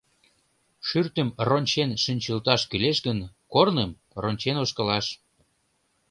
Шӱртым рончен шинчылташ кӱлеш гын, корным — рончен ошкылаш.